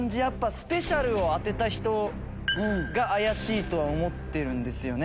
スペシャルメニューを当てた人が怪しいとは思ってるんですよね。